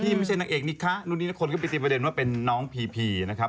ไม่ใช่นางเอกนิคะนู่นนี่คนก็ไปตีประเด็นว่าเป็นน้องพีพีนะครับ